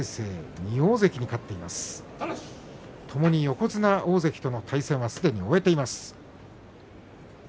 ともに横綱大関との対戦はすべて終えています。